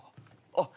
あっ。